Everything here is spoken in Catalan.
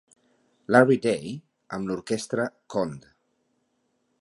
Larry Day amb l'orquestra Cond.